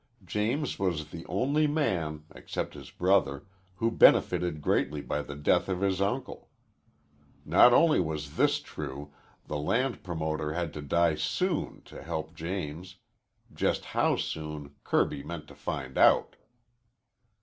James was the only man, except his brother, who benefited greatly by the death of his uncle. Not only was this true; the land promoter had to die soon to help James, just how soon Kirby meant to find out.